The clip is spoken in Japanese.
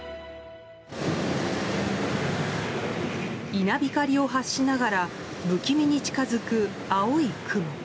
稲光を発しながら不気味に近づく、青い雲。